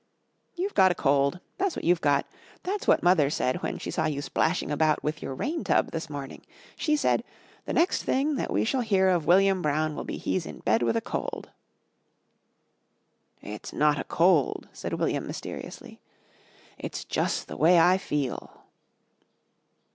"You've got a cold. That's what you've got. That's what Mother said when she saw you splashing about with your rain tub this morning. She said, 'The next thing that we shall hear of William Brown will be he's in bed with a cold.'" "It's not a cold," said William mysteriously. "It's jus' the way I feel."